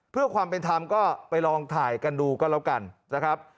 เพื่อความเป็นธรรมก็ไปลองถ่ายกันดูก็แล้วกันนะครับ